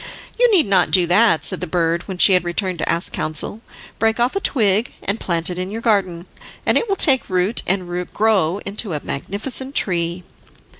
"You need not do that," said the bird, when she had returned to ask counsel. "Break off a twig, and plant it in your garden, and it will take root, and grow into a magnificent tree."